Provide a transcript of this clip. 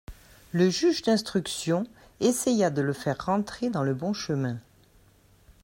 Le juge d'instruction essaya de le faire rentrer dans le bon chemin.